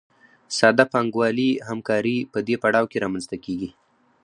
ساده پانګوالي همکاري په دې پړاو کې رامنځته کېږي